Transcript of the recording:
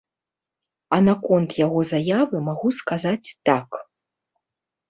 А наконт яго заявы магу сказаць так.